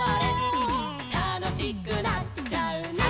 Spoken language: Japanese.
「たのしくなっちゃうね」